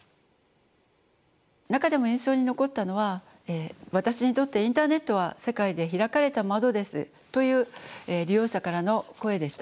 中でも印象に残ったのは「私にとってインターネットは世界で開かれた窓です」という利用者からの声でした。